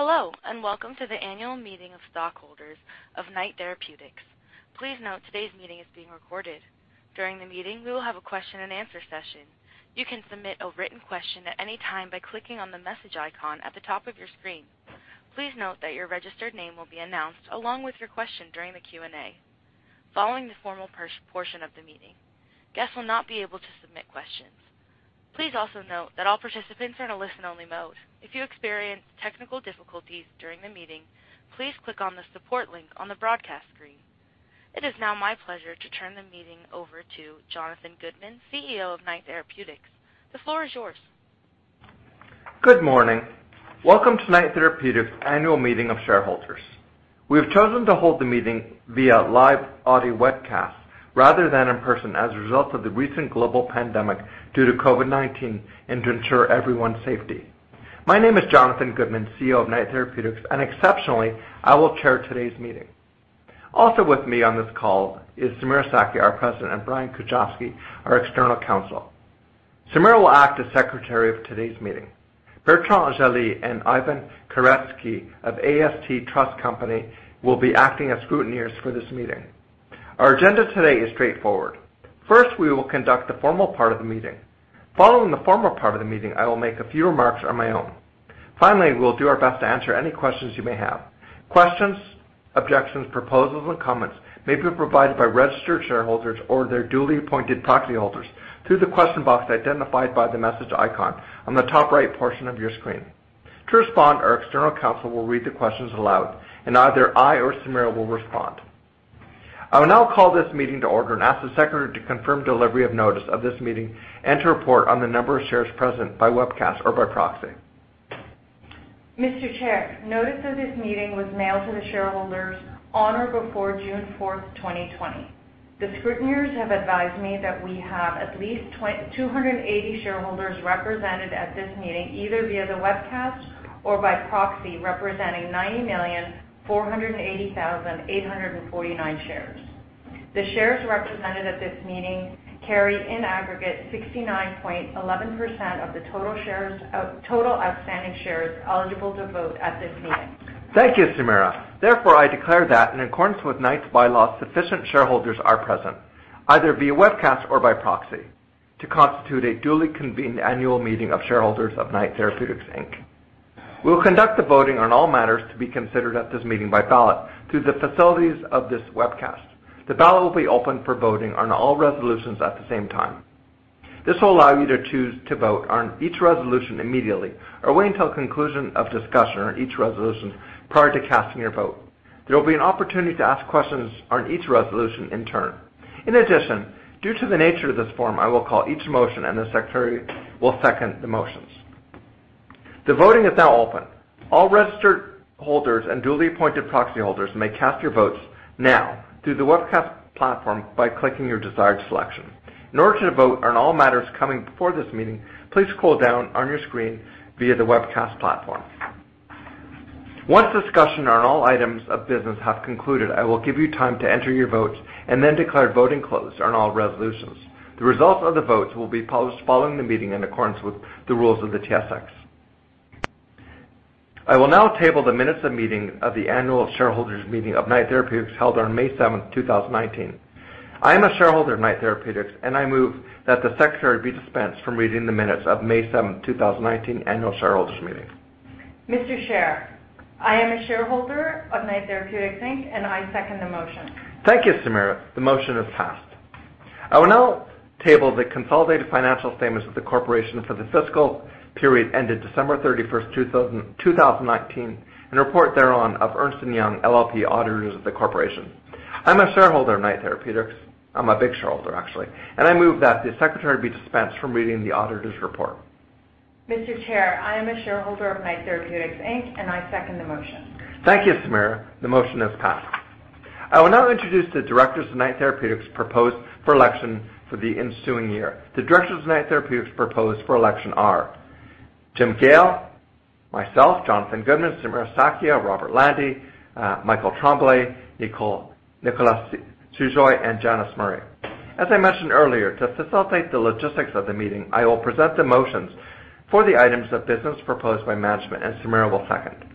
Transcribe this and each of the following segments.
Hello, and welcome to the annual meeting of stockholders of Knight Therapeutics. Please note today's meeting is being recorded. During the meeting, we will have a question and answer session. You can submit a written question at any time by clicking on the message icon at the top of your screen. Please note that your registered name will be announced along with your question during the Q&A. Following the formal portion of the meeting, guests will not be able to submit questions. Please also note that all participants are in a listen-only mode. If you experience technical difficulties during the meeting, please click on the support link on the broadcast screen. It is now my pleasure to turn the meeting over to Jonathan Goodman, CEO of Knight Therapeutics. The floor is yours. Good morning. Welcome to Knight Therapeutics' annual meeting of shareholders. We have chosen to hold the meeting via live audio webcast rather than in person as a result of the recent global pandemic due to COVID-19 and to ensure everyone's safety. My name is Jonathan Goodman, CEO of Knight Therapeutics, and exceptionally, I will chair today's meeting. Also with me on this call is Samira Sakhia, our president, and Brian Kujavsky, our external counsel. Samira will act as secretary of today's meeting. Bertrand Gelee and Ivan Karetskiy of AST Trust Company will be acting as scrutineers for this meeting. Our agenda today is straightforward. First, we will conduct the formal part of the meeting. Following the formal part of the meeting, I will make a few remarks on my own. Finally, we will do our best to answer any questions you may have. Questions, objections, proposals, and comments may be provided by registered shareholders or their duly appointed proxy holders through the question box identified by the message icon on the top right portion of your screen. To respond, our external counsel will read the questions aloud. Either I or Samira will respond. I will now call this meeting to order and ask the secretary to confirm delivery of notice of this meeting and to report on the number of shares present by webcast or by proxy. Mr. Chair, notice of this meeting was mailed to the shareholders on or before June 4th, 2020. The scrutineers have advised me that we have at least 280 shareholders represented at this meeting, either via the webcast or by proxy, representing 90,480,849 shares. The shares represented at this meeting carry, in aggregate, 69.11% of the total outstanding shares eligible to vote at this meeting. Thank you, Samira. I declare that in accordance with Knight's bylaws, sufficient shareholders are present, either via webcast or by proxy, to constitute a duly convened annual meeting of shareholders of Knight Therapeutics Inc. We will conduct the voting on all matters to be considered at this meeting by ballot through the facilities of this webcast. The ballot will be open for voting on all resolutions at the same time. This will allow you to choose to vote on each resolution immediately or wait until the conclusion of discussion on each resolution prior to casting your vote. There will be an opportunity to ask questions on each resolution in turn. In addition, due to the nature of this forum, I will call each motion and the secretary will second the motions. The voting is now open. All registered holders and duly appointed proxy holders may cast your votes now through the webcast platform by clicking your desired selection. In order to vote on all matters coming before this meeting, please scroll down on your screen via the webcast platform. Once discussion on all items of business have concluded, I will give you time to enter your votes and then declare voting closed on all resolutions. The results of the votes will be published following the meeting in accordance with the rules of the TSX. I will now table the minutes of meeting of the annual shareholders' meeting of Knight Therapeutics held on May 7th, 2019. I am a shareholder of Knight Therapeutics, and I move that the secretary be dispensed from reading the minutes of May 7th, 2019 annual shareholders' meeting. Mr. Chair, I am a shareholder of Knight Therapeutics Inc., I second the motion. Thank you, Samira. The motion is passed. I will now table the consolidated financial statements of the corporation for the fiscal period ended December 31st, 2019, and report thereon of Ernst & Young LLP, auditors of the corporation. I'm a shareholder of Knight Therapeutics. I'm a big shareholder, actually, and I move that the secretary be dispensed from reading the auditor's report. Mr. Chair, I am a shareholder of Knight Therapeutics Inc., and I second the motion. Thank you, Samira. The motion is passed. I will now introduce the directors of Knight Therapeutics proposed for election for the ensuing year. The directors of Knight Therapeutics proposed for election are Jim Gale, myself, Jonathan Goodman, Samira Sakhia, Robert Lande, Michael Tremblay, Nicolás Sujoy, and Janice Murray. As I mentioned earlier, to facilitate the logistics of the meeting, I will present the motions for the items of business proposed by management, and Samira will second.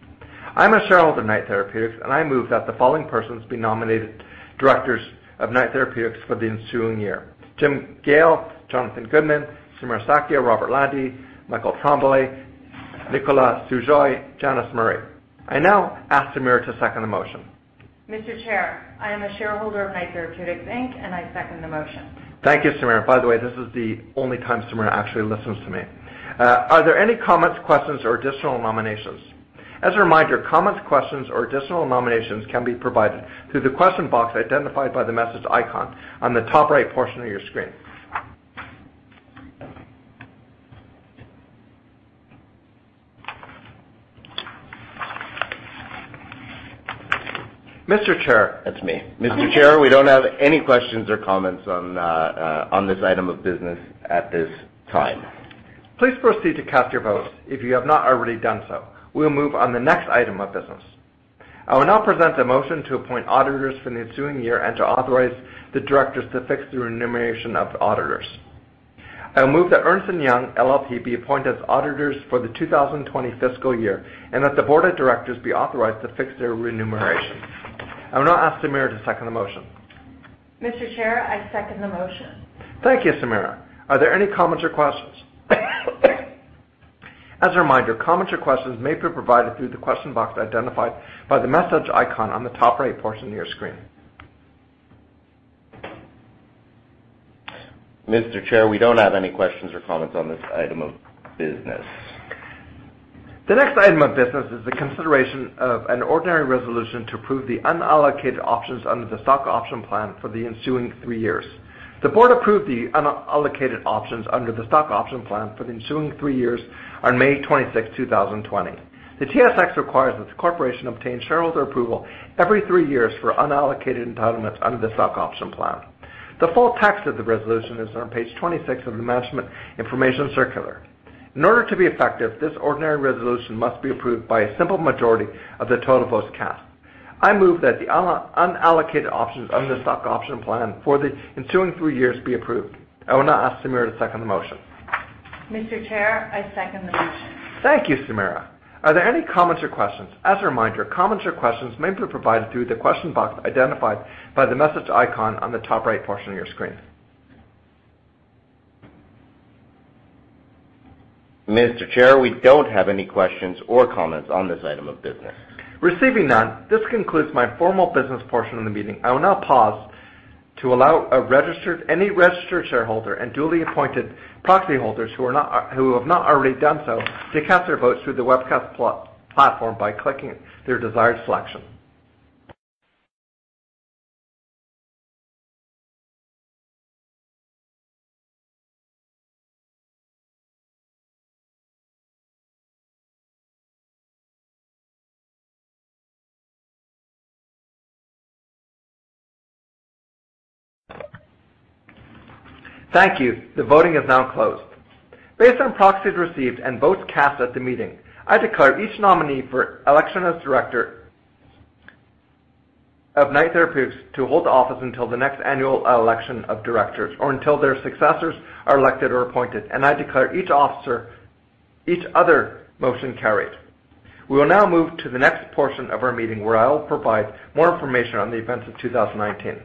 I'm a shareholder of Knight Therapeutics, and I move that the following persons be nominated directors of Knight Therapeutics for the ensuing year. Jim Gale, Jonathan Goodman, Samira Sakhia, Robert Lande, Michael Tremblay, Nicolás Sujoy, Janice Murray. I now ask Samira to second the motion. Mr. Chair, I am a shareholder of Knight Therapeutics Inc., I second the motion. Thank you, Samira. By the way, this is the only time Samira actually listens to me. Are there any comments, questions, or additional nominations? As a reminder, comments, questions, or additional nominations can be provided through the question box identified by the message icon on the top right portion of your screen. Mr. Chair, it's me. Mr. Chair, we don't have any questions or comments on this item of business at this time. Please proceed to cast your votes if you have not already done so. We will move on the next item of business. I will now present a motion to appoint auditors for the ensuing year and to authorize the directors to fix the remuneration of the auditors. I move that Ernst & Young LLP be appointed as auditors for the 2020 fiscal year, and that the board of directors be authorized to fix their remuneration. I will now ask Samira to second the motion. Mr. Chair, I second the motion. Thank you, Samira. Are there any comments or questions? As a reminder, comments or questions may be provided through the question box identified by the message icon on the top right portion of your screen. Mr. Chair, we don't have any questions or comments on this item of business. The next item of business is the consideration of an ordinary resolution to approve the unallocated options under the stock option plan for the ensuing three years. The board approved the unallocated options under the stock option plan for the ensuing three years on May 26, 2020. The TSX requires that the corporation obtain shareholder approval every three years for unallocated entitlements under the stock option plan. The full text of the resolution is on page 26 of the management information circular. In order to be effective, this ordinary resolution must be approved by a simple majority of the total votes cast. I move that the unallocated options under the stock option plan for the ensuing three years be approved. I will now ask Samira to second the motion. Mr. Chair, I second the motion. Thank you, Samira. Are there any comments or questions? As a reminder, comments or questions may be provided through the question box identified by the message icon on the top right portion of your screen. Mr. Chair, we don't have any questions or comments on this item of business. Receiving none, this concludes my formal business portion of the meeting. I will now pause to allow any registered shareholder and duly appointed proxy holders who have not already done so to cast their votes through the webcast platform by clicking their desired selection. Thank you. The voting is now closed. Based on proxies received and votes cast at the meeting, I declare each nominee for election as Director of Knight Therapeutics to hold the office until the next annual election of directors or until their successors are elected or appointed, and I declare each other motion carried. We will now move to the next portion of our meeting, where I will provide more information on the events of 2019.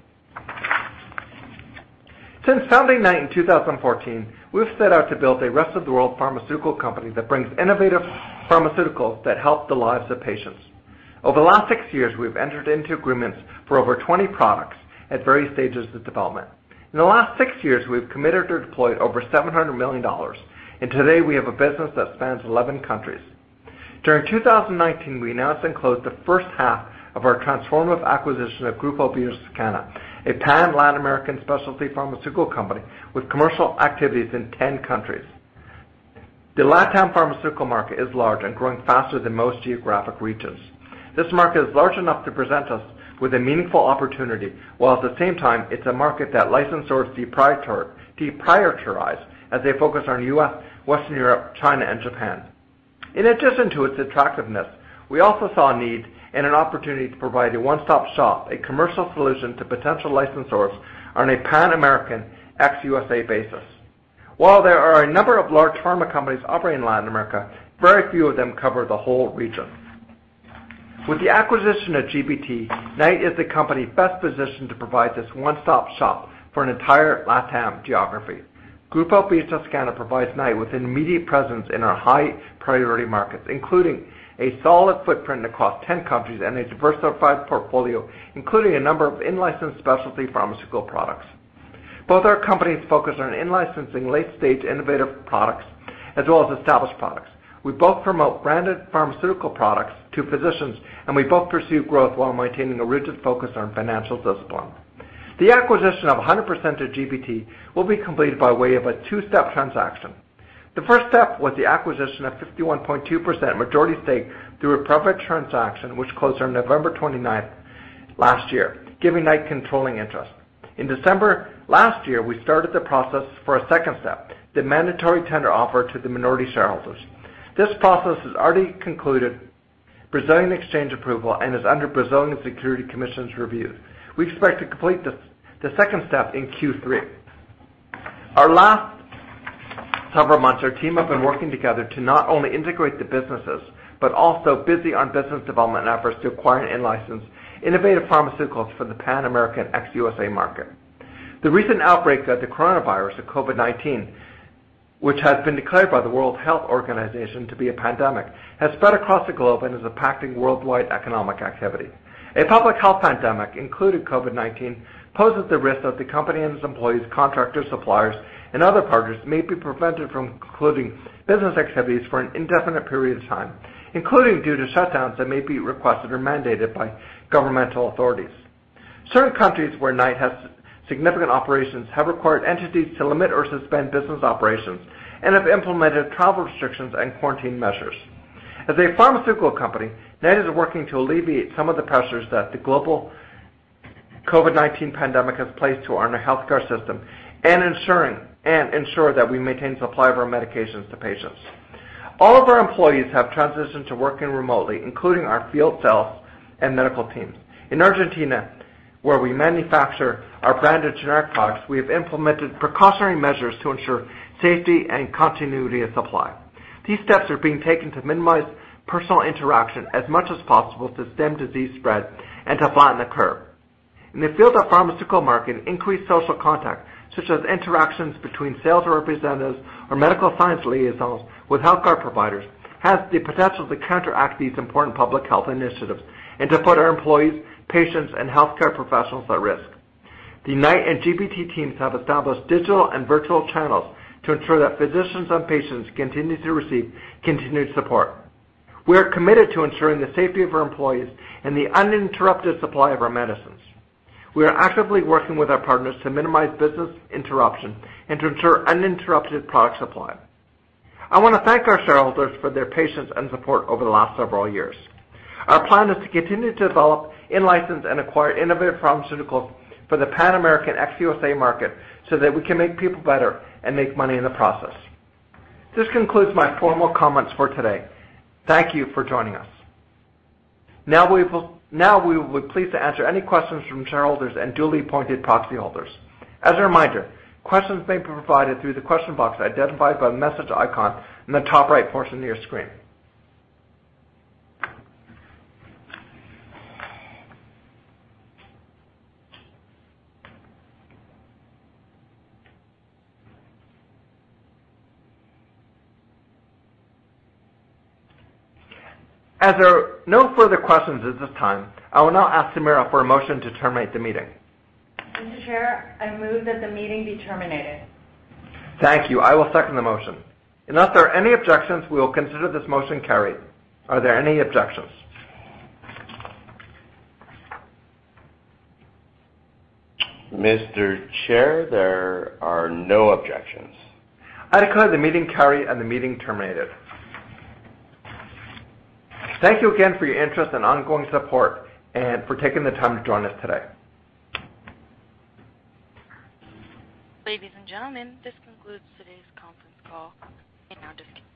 Since founding Knight in 2014, we've set out to build a rest-of-the-world pharmaceutical company that brings innovative pharmaceuticals that help the lives of patients. Over the last six years, we've entered into agreements for over 20 products at various stages of development. In the last six years, we've committed to deploy over 700 million dollars. Today we have a business that spans 11 countries. During 2019, we announced and closed the first half of our transformative acquisition of Grupo Biotoscana, a Pan-Latin American specialty pharmaceutical company with commercial activities in 10 countries. The LatAm pharmaceutical market is large and growing faster than most geographic regions. This market is large enough to present us with a meaningful opportunity, while at the same time, it's a market that licensors deprioritize as they focus on U.S., Western Europe, China, and Japan. In addition to its attractiveness, we also saw a need and an opportunity to provide a one-stop shop, a commercial solution to potential licensors on a Pan-American ex-USA basis. While there are a number of large pharma companies operating in Latin America, very few of them cover the whole region. With the acquisition of GBT, Knight is the company best positioned to provide this one-stop shop for an entire LatAm geography. Grupo Biotoscana provides Knight with an immediate presence in our high-priority markets, including a solid footprint across 10 countries and a diversified portfolio, including a number of in-licensed specialty pharmaceutical products. Both our companies focus on in-licensing late-stage innovative products as well as established products. We both promote branded pharmaceutical products to physicians, we both pursue growth while maintaining a rigid focus on financial discipline. The acquisition of 100% of GBT will be completed by way of a two-step transaction. The first step was the acquisition of 51.2% majority stake through a private transaction, which closed on November 29th last year, giving Knight controlling interest. In December last year, we started the process for a second step, the mandatory tender offer to the minority shareholders. This process has already concluded Brazilian exchange approval and is under Brazilian Securities Commission's review. We expect to complete the second step in Q3. Our last several months, our team have been working together to not only integrate the businesses, but also busy on business development efforts to acquire and license innovative pharmaceuticals for the Pan-American ex-USA market. The recent outbreak of the coronavirus, the COVID-19, which has been declared by the World Health Organization to be a pandemic, has spread across the globe and is impacting worldwide economic activity. A public health pandemic, including COVID-19, poses the risk that the company and its employees, contractors, suppliers, and other partners may be prevented from concluding business activities for an indefinite period of time, including due to shutdowns that may be requested or mandated by governmental authorities. Certain countries where Knight has significant operations have required entities to limit or suspend business operations and have implemented travel restrictions and quarantine measures. As a pharmaceutical company, Knight is working to alleviate some of the pressures that the global COVID-19 pandemic has placed on our healthcare system and ensure that we maintain supply of our medications to patients. All of our employees have transitioned to working remotely, including our field sales and medical teams. In Argentina, where we manufacture our branded generic products, we have implemented precautionary measures to ensure safety and continuity of supply. These steps are being taken to minimize personal interaction as much as possible to stem disease spread and to flatten the curve. In the field of pharmaceutical marketing, increased social contact, such as interactions between sales representatives or medical science liaisons with healthcare providers, has the potential to counteract these important public health initiatives and to put our employees, patients, and healthcare professionals at risk. The Knight and GBT teams have established digital and virtual channels to ensure that physicians and patients continue to receive continued support. We are committed to ensuring the safety of our employees and the uninterrupted supply of our medicines. We are actively working with our partners to minimize business interruption and to ensure uninterrupted product supply. I want to thank our shareholders for their patience and support over the last several years. Our plan is to continue to develop, in-license, and acquire innovative pharmaceuticals for the Pan-American ex-USA market so that we can make people better and make money in the process. This concludes my formal comments for today. Thank you for joining us. Now, we would be pleased to answer any questions from shareholders and duly appointed proxy holders. As a reminder, questions may be provided through the question box identified by the message icon in the top right portion of your screen. As there are no further questions at this time, I will now ask Samira for a motion to terminate the meeting. Mr. Chair, I move that the meeting be terminated. Thank you. I will second the motion. Unless there are any objections, we will consider this motion carried. Are there any objections? Mr. Chair, there are no objections. I declare the meeting carried and the meeting terminated. Thank you again for your interest and ongoing support and for taking the time to join us today. Ladies and gentlemen, this concludes today's conference call. You may now disconnect.